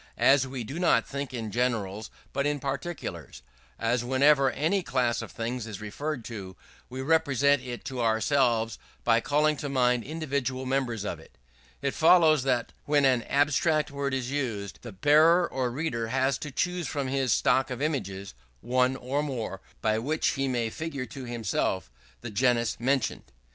As we do not think in generals but in particulars as, whenever any class of things is referred to, we represent it to ourselves by calling to mind individual members of it; it follows that when an abstract word is used, the bearer or reader has to choose from his stock of images, one or more, by which he may figure to himself the genus mentioned.